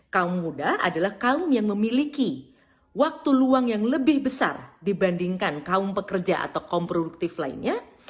kaum muda adalah kaum yang memiliki waktu luang yang lebih besar dibandingkan kaum pekerja atau kaum produktif lainnya